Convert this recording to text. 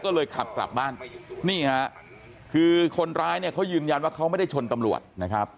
ก็เลยขับกลับบ้านนี่ฮะคือคนร้ายเนี่ยเขายืนยันว่าเขาไม่ได้ชนตำรวจนะครับ